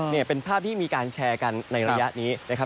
นี่เป็นภาพที่มีการแชร์กันในระยะนี้นะครับ